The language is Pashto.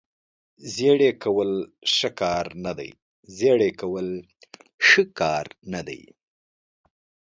زیړې کول ښه کار نه دی.